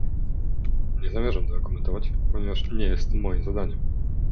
Nie zamierzam tego komentować, ponieważ nie jest to moim zadaniem